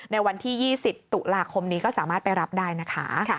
ในวันที่๒๐ตุลาคมนี้ก็สามารถไปรับได้นะคะ